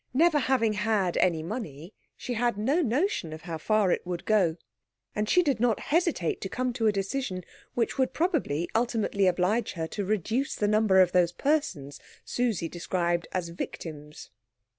Never having had any money, she had no notion of how far it would go; and she did not hesitate to come to a decision which would probably ultimately oblige her to reduce the number of those persons Susie described as victims.